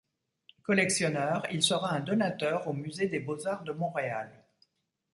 Collectionneur, Il sera un donateur au Musée des beaux-arts de Montréal.